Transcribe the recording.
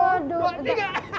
satu dua tiga